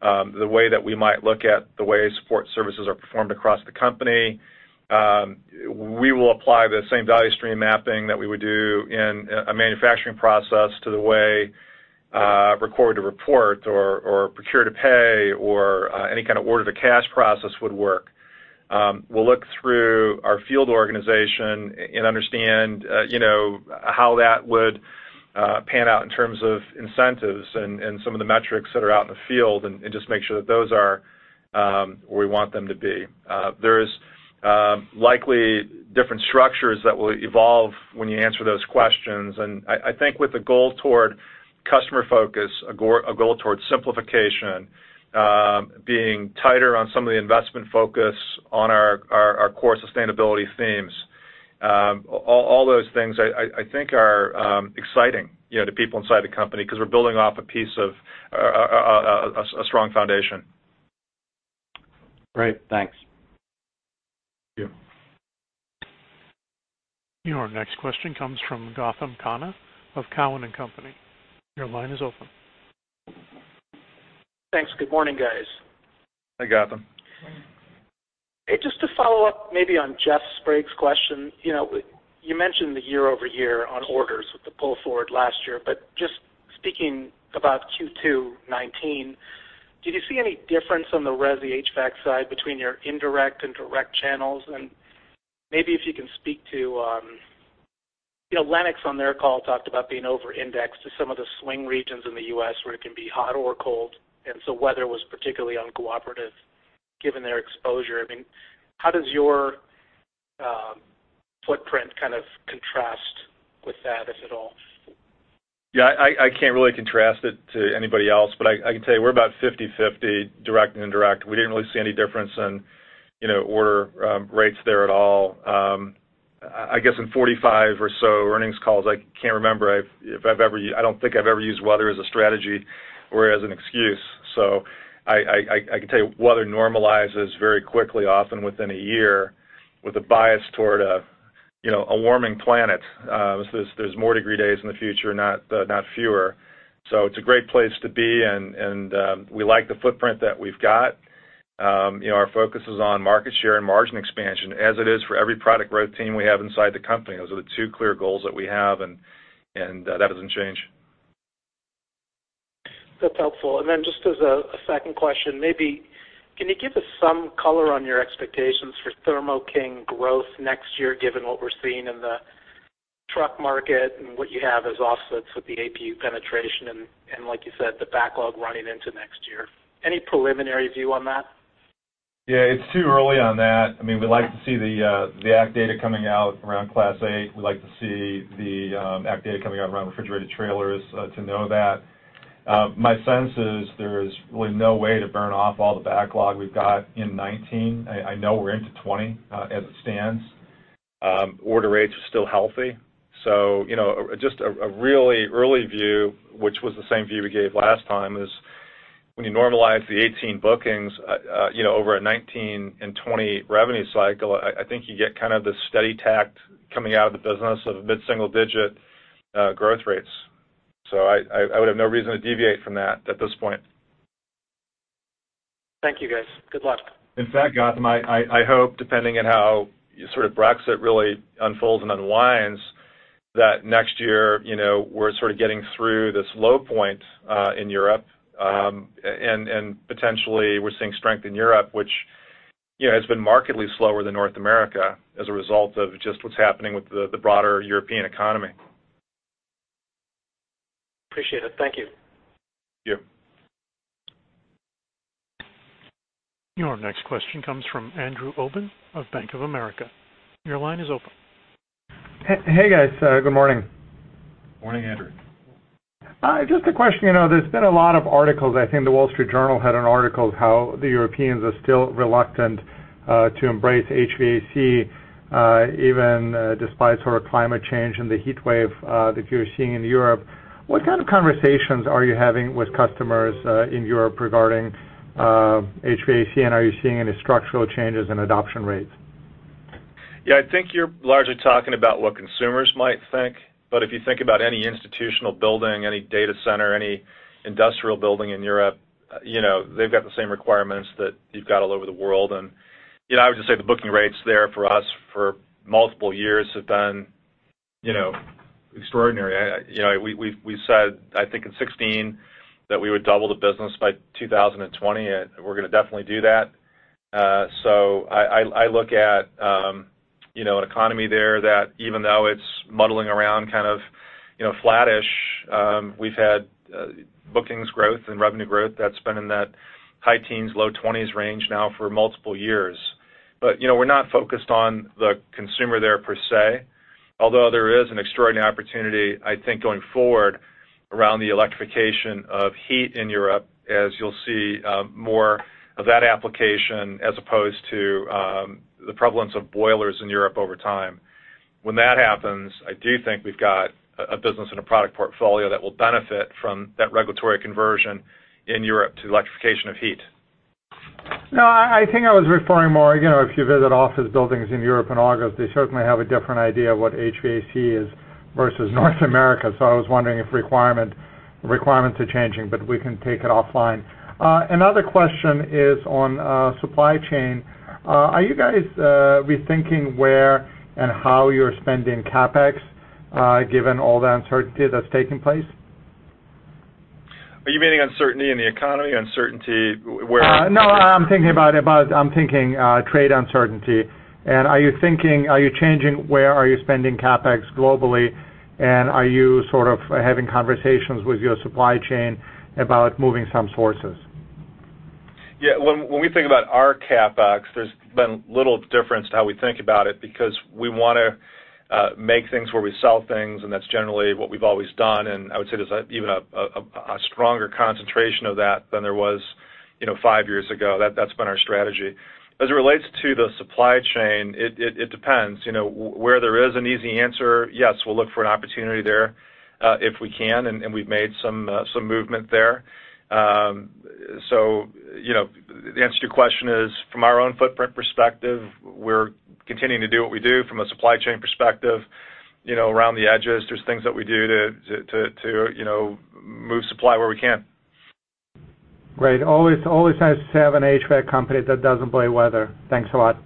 the way that we might look at the way support services are performed across the company. We will apply the same value stream mapping that we would do in a manufacturing process to the way record to report or procure to pay or any kind of order to cash process would work. We'll look through our field organization and understand how that would pan out in terms of incentives and some of the metrics that are out in the field, and just make sure that those are where we want them to be. There is likely different structures that will evolve when you answer those questions. I think with a goal toward customer focus, a goal towards simplification, being tighter on some of the investment focus on our core sustainability themes. All those things I think are exciting to people inside the company because we're building off a piece of a strong foundation. Great. Thanks. Thank you. Your next question comes from Gautam Khanna of Cowen and Company. Your line is open. Thanks. Good morning, guys. Hi, Gautam. Hey. Hey, just to follow up maybe on Jeff Sprague's question. You mentioned the year-over-year on orders with the pull forward last year. Just speaking about Q2 2019, did you see any difference on the resi HVAC side between your indirect and direct channels? Maybe if you can speak. Lennox on their call talked about being over-indexed to some of the swing regions in the U.S. where it can be hot or cold. Weather was particularly uncooperative given their exposure. How does your footprint kind of contrast with that, if at all? Yeah. I can't really contrast it to anybody else, but I can tell you we're about 50/50 direct and indirect. We didn't really see any difference in order rates there at all. I guess in 45 or so earnings calls, I can't remember. I don't think I've ever used weather as a strategy or as an excuse. I can tell you weather normalizes very quickly, often within a year, with a bias toward a warming planet. There's more degree days in the future, not fewer. It's a great place to be, and we like the footprint that we've got. Our focus is on market share and margin expansion, as it is for every product growth team we have inside the company. Those are the two clear goals that we have, and that hasn't changed. That's helpful. Then just as a second question, maybe can you give us some color on your expectations for Thermo King growth next year, given what we're seeing in the truck market and what you have as offsets with the APU penetration and, like you said, the backlog running into next year? Any preliminary view on that? Yeah, it's too early on that. We like to see the ACT data coming out around Class 8. We like to see the ACT data coming out around refrigerated trailers to know that. My sense is there's really no way to burn off all the backlog we've got in 2019. I know we're into 2020 as it stands. Order rates are still healthy. Just a really early view, which was the same view we gave last time, is when you normalize the 2018 bookings over a 2019 and 2020 revenue cycle, I think you get kind of the steady track coming out of the business of mid-single-digit growth rates. I would have no reason to deviate from that at this point. Thank you, guys. Good luck. In fact, Gautam, I hope, depending on how Brexit really unfolds and unwinds, that next year, we're sort of getting through this low point in Europe, and potentially we're seeing strength in Europe, which has been markedly slower than North America as a result of just what's happening with the broader European economy. Appreciate it. Thank you. Yeah. Your next question comes from Andrew Obin of Bank of America. Your line is open. Hey, guys. Good morning. Morning, Andrew. Just a question. There's been a lot of articles, I think the Wall Street Journal had an article of how the Europeans are still reluctant to embrace HVAC, even despite sort of climate change and the heat wave that you're seeing in Europe. What kind of conversations are you having with customers in Europe regarding HVAC, and are you seeing any structural changes in adoption rates? I think you're largely talking about what consumers might think. If you think about any institutional building, any data center, any industrial building in Europe, they've got the same requirements that you've got all over the world. I would just say the booking rates there for us for multiple years have been extraordinary. We said, I think in 2016, that we would double the business by 2020, we're going to definitely do that. I look at an economy there that even though it's muddling around kind of flat-ish, we've had bookings growth and revenue growth that's been in that high teens, low 20s range now for multiple years. We're not focused on the consumer there per se, although there is an extraordinary opportunity, I think, going forward around the electrification of heat in Europe as you'll see more of that application as opposed to the prevalence of boilers in Europe over time. When that happens, I do think we've got a business and a product portfolio that will benefit from that regulatory conversion in Europe to electrification of heat. No, I think I was referring more, if you visit office buildings in Europe in August, they certainly have a different idea of what HVAC is versus North America. I was wondering if requirements are changing, but we can take it offline. Another question is on supply chain. Are you guys rethinking where and how you're spending CapEx, given all the uncertainty that's taking place? Are you meaning uncertainty in the economy, uncertainty where-? No, I'm thinking trade uncertainty. Are you changing where are you spending CapEx globally, and are you sort of having conversations with your supply chain about moving some sources? When we think about our CapEx, there's been little difference to how we think about it because we want to make things where we sell things, and that's generally what we've always done, and I would say there's even a stronger concentration of that than there was five years ago. That's been our strategy. As it relates to the supply chain, it depends. Where there is an easy answer, yes, we'll look for an opportunity there if we can, and we've made some movement there. The answer to your question is from our own footprint perspective, we're continuing to do what we do. From a supply chain perspective, around the edges, there's things that we do to move supply where we can. Great. Always nice to have an HVAC company that doesn't play weather. Thanks a lot.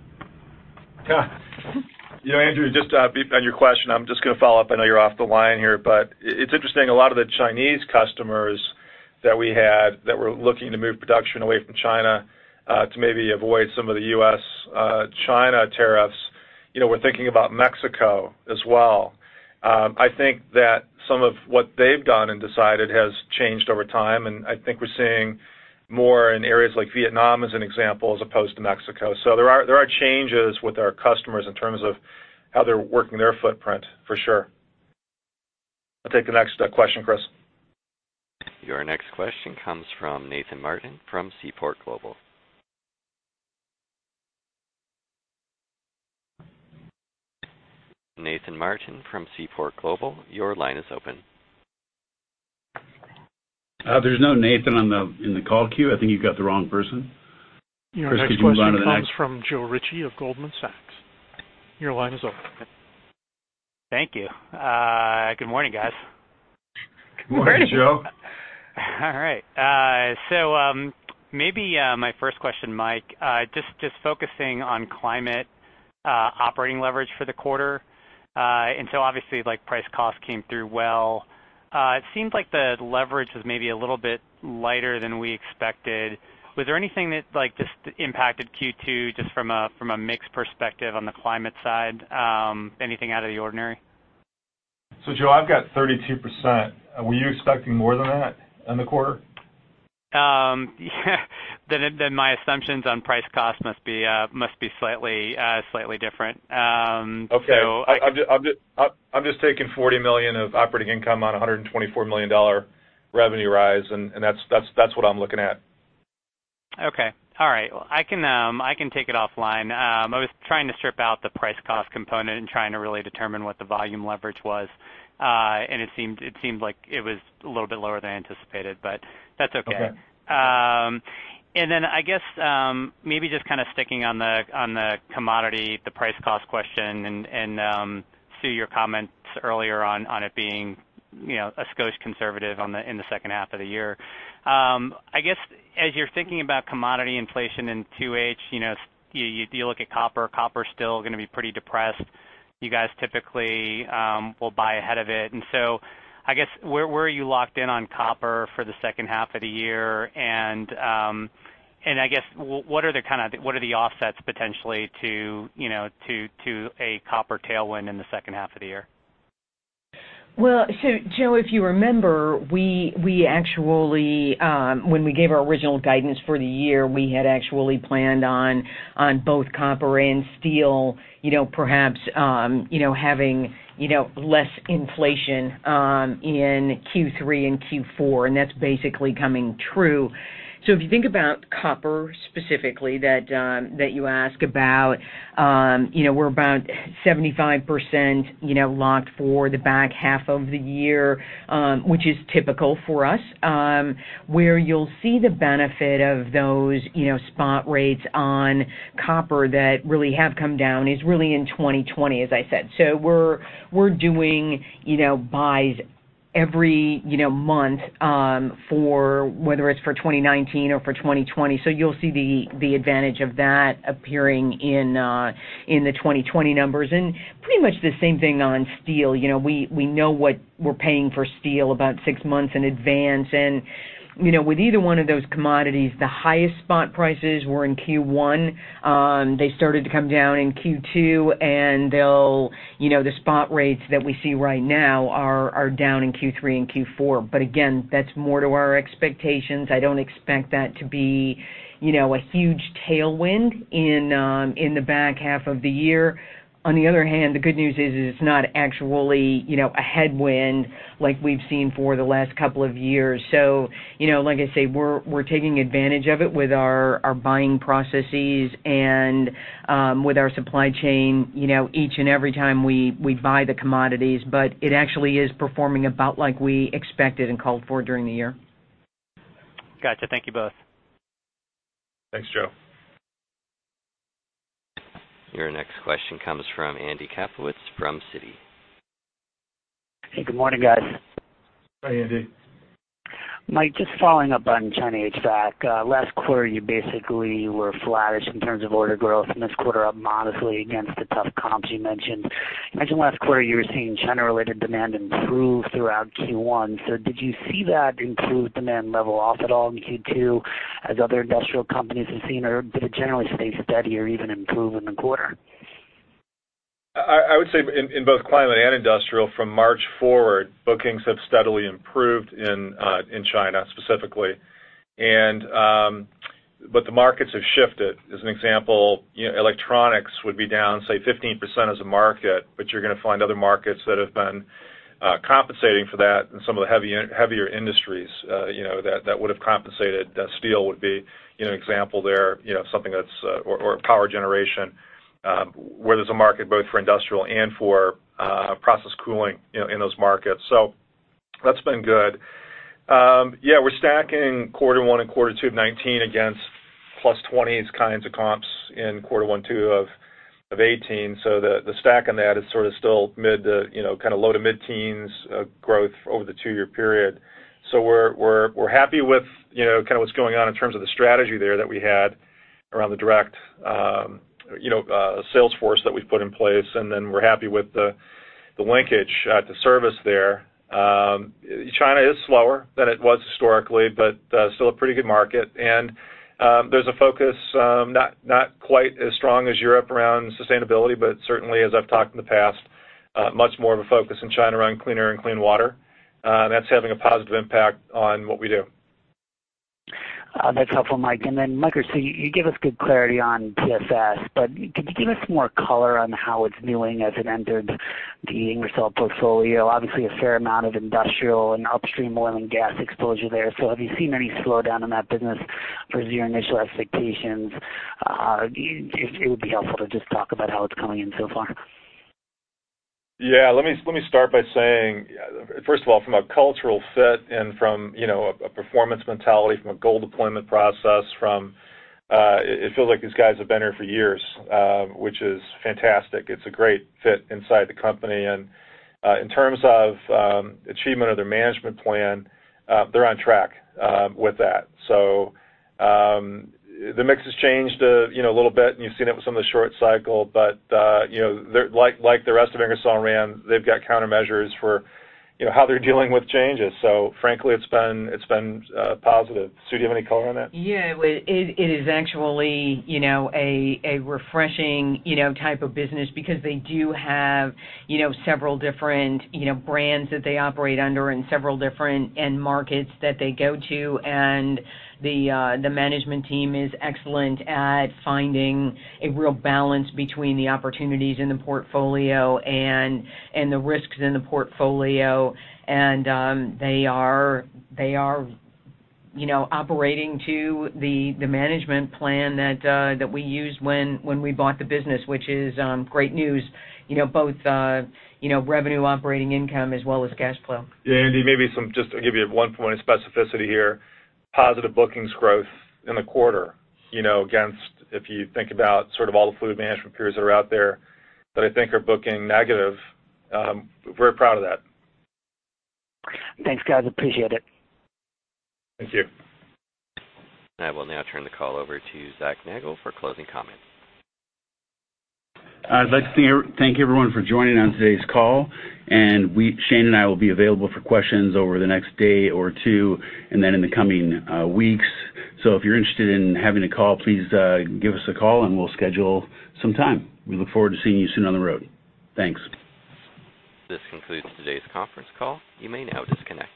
Andrew, just to beep on your question, I'm just going to follow up. I know you're off the line here. It's interesting, a lot of the Chinese customers that we had that were looking to move production away from China to maybe avoid some of the U.S. China tariffs, were thinking about Mexico as well. I think that some of what they've done and decided has changed over time, I think we're seeing more in areas like Vietnam as an example, as opposed to Mexico. There are changes with our customers in terms of how they're working their footprint, for sure. I'll take the next question, Chris. Your next question comes from Nathan Martin from Seaport Global. Nathan Martin from Seaport Global, your line is open. There's no Nathan in the call queue. I think you got the wrong person. Chris, could you move on to the next? Your next question comes from Joe Ritchie of Goldman Sachs. Your line is open. Thank you. Good morning, guys. Good morning, Joe. All right. Maybe my first question, Mike, just focusing on Climate operating leverage for the quarter. Obviously, price cost came through well. It seems like the leverage is maybe a little bit lighter than we expected. Was there anything that just impacted Q2 just from a mix perspective on the Climate side? Anything out of the ordinary? Joe, I've got 32%. Were you expecting more than that in the quarter? My assumptions on price cost must be slightly different. Okay. I'm just taking $40 million of operating income on $124 million revenue rise. That's what I'm looking at. Okay. All right. Well, I can take it offline. I was trying to strip out the price cost component and trying to really determine what the volume leverage was. It seemed like it was a little bit lower than anticipated, but that's okay. Okay. I guess, maybe just kind of sticking on the commodity, the price cost question, and Sue, your comments earlier on it being a skosh conservative in the second half of the year. I guess, as you're thinking about commodity inflation in 2H, you look at copper is still going to be pretty depressed. You guys typically will buy ahead of it. I guess, where are you locked in on copper for the second half of the year? I guess what are the offsets potentially to a copper tailwind in the second half of the year? Joe, if you remember, when we gave our original guidance for the year, we had actually planned on both copper and steel, perhaps, having less inflation in Q3 and Q4, that's basically coming true. If you think about copper specifically that you ask about, we're about 75% locked for the back half of the year, which is typical for us. Where you'll see the benefit of those spot rates on copper that really have come down is really in 2020, as I said. We're doing buys every month, whether it's for 2019 or for 2020. You'll see the advantage of that appearing in the 2020 numbers. Pretty much the same thing on steel. We know what we're paying for steel about six months in advance. With either one of those commodities, the highest spot prices were in Q1. They started to come down in Q2, and the spot rates that we see right now are down in Q3 and Q4. Again, that's more to our expectations. I don't expect that to be a huge tailwind in the back half of the year. On the other hand, the good news is it's not actually a headwind like we've seen for the last couple of years. Like I say, we're taking advantage of it with our buying processes and with our supply chain, each and every time we buy the commodities. It actually is performing about like we expected and called for during the year. Got you. Thank you both. Thanks, Joe. Your next question comes from Andy Kaplowitz from Citi. Hey, good morning, guys. Hi, Andy. Mike, just following up on China HVAC. Last quarter, you basically were flattish in terms of order growth, and this quarter up modestly against the tough comps you mentioned. You mentioned last quarter you were seeing China-related demand improve throughout Q1. Did you see that improved demand level off at all in Q2 as other industrial companies have seen, or did it generally stay steady or even improve in the quarter? I would say in both Climate and Industrial from March forward, bookings have steadily improved in China specifically. The markets have shifted. As an example, electronics would be down, say, 15% as a market, but you're going to find other markets that have been compensating for that in some of the heavier industries that would have compensated. Steel would be an example there, or power generation, where there's a market both for Industrial and for process cooling in those markets. That's been good. Yeah, we're stacking quarter one and quarter two of 2019 against plus 2020s kinds of comps in quarter one, two of 2018. The stack on that is sort of still mid to kind of low to mid-teens growth over the two-year period. We're happy with kind of what's going on in terms of the strategy there that we had around the direct sales force that we've put in place, and then we're happy with the linkage to service there. China is slower than it was historically, but still a pretty good market. There's a focus, not quite as strong as Europe around sustainability, but certainly, as I've talked in the past, much more of a focus in China around clean air and clean water. That's having a positive impact on what we do. That's helpful, Mike. Mike or Sue, you gave us good clarity on PFS, but could you give us more color on how it's doing as it entered the Ingersoll portfolio? Obviously, a fair amount of industrial and upstream oil and gas exposure there. Have you seen any slowdown in that business versus your initial expectations? It would be helpful to just talk about how it's coming in so far. Yeah, let me start by saying, first of all, from a cultural fit and from a performance mentality, from a goal deployment process, it feels like these guys have been here for years, which is fantastic. It's a great fit inside the company. In terms of achievement of their management plan, they're on track with that. The mix has changed a little bit, and you've seen it with some of the short cycle, but like the rest of Ingersoll Rand, they've got countermeasures for how they're dealing with changes. Frankly, it's been positive. Sue, do you have any color on that? Yeah. It is actually a refreshing type of business because they do have several different brands that they operate under and several different end markets that they go to. The management team is excellent at finding a real balance between the opportunities in the portfolio and the risks in the portfolio. They are operating to the management plan that we used when we bought the business, which is great news, both revenue operating income as well as cash flow. Yeah, Andy, maybe just to give you one point of specificity here, positive bookings growth in the quarter, against if you think about sort of all the fluid management peers that are out there that I think are booking negative. We're very proud of that. Thanks, guys. Appreciate it. Thank you. I will now turn the call over to Zac Nagle for closing comments. I'd like to thank everyone for joining on today's call, and Shane and I will be available for questions over the next day or two, and then in the coming weeks. If you're interested in having a call, please give us a call and we'll schedule some time. We look forward to seeing you soon on the road. Thanks. This concludes today's conference call. You may now disconnect.